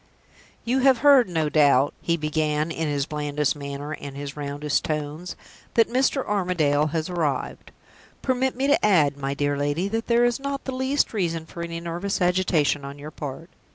"You have heard, no doubt," he began, in his blandest manner and his roundest tones, "that Mr. Armadale has arrived. Permit me to add, my dear lady, that there is not the least reason for any nervous agitation on your part.